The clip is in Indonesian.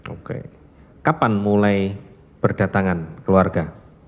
oke kapan mulai berdatangan keluarga